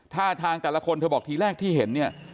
ท่าทางแต่ละคนเธอบอกทีแรกที่เห็นเนี่ย